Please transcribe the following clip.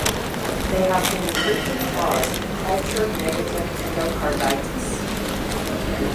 They have been a frequent cause of culture-negative endocarditis.